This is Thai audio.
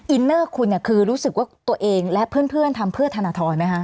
อินเนอร์คุณเนี่ยคือรู้สึกว่าตัวเองและเพื่อนทำเพื่อธนทรไหมคะ